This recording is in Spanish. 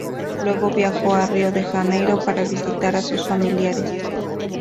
Luego viajó a Río de Janeiro, para visitar a sus familiares.